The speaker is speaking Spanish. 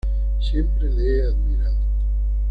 Siempre le he admirado.